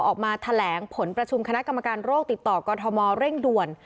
ออกมาแถลงผลประชุมคณะกรรมการโรคติดต่อกรทมเร่งด่วน